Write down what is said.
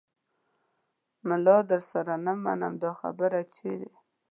ملا درسره نه منمه دا خبره چیرې